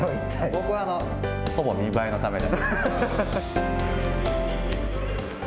僕はほぼ見栄えのためだけに。